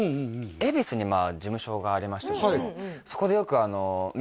恵比寿に事務所がありましてそこでよくＭ！